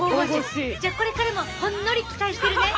じゃあこれからもほんのり期待してるね。